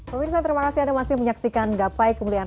pemirsa terima kasih anda masih menyaksikan